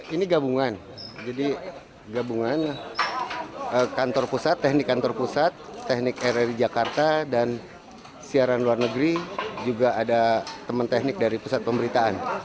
ini gabungan jadi gabungan kantor pusat teknik kantor pusat teknik rri jakarta dan siaran luar negeri juga ada teman teknik dari pusat pemberitaan